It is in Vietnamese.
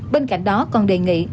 bên cạnh đó còn đề nghị